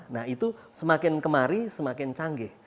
nah itu semakin kemari semakin canggih